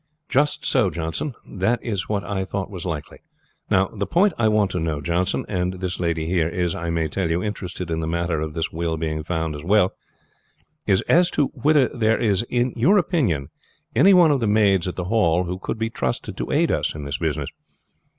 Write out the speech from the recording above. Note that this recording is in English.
"Just so, Johnson, that is what I thought was likely. Now, the point I want to know, Johnson, and this lady here is, I may tell you, interested in the matter of this will being found, is as to whether there is in your opinion any one of the maids at the Hall who could be trusted to aid us in this business?